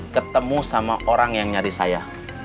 ketemu sama orang yang nyari saya